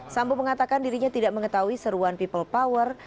sambo mengatakan dirinya tidak mengetahui seruan people power